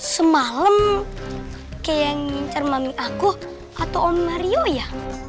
semalam kayak yang ngincar mami aku atau om mario ya